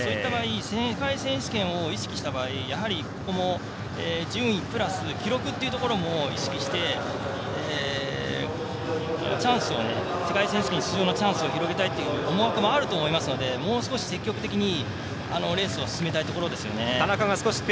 世界選手権を意識した場合やはり、ここも順位プラス記録っていうところも意識して世界選手権のチャンスを広げたいっていう思惑もあると思いますのでもう少し積極的にレースを進めたいところですね。